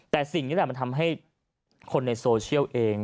แต่สิ่งนี้แหละมันทำให้คนในโซเชียลเอง